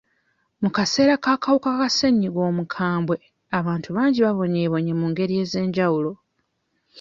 Mu kaseera k'akawuka ka ssenyiga omukambwe, abantu bangi babonyeebonye mu ngeri ez'enjawulo.